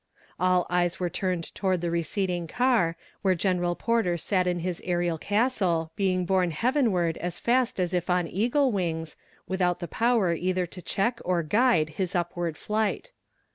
All eyes were turned toward the receding car, where General Porter sat in his ærial castle, being borne heavenward as fast as if on eagle wings, without the power either to check or guide his upward flight.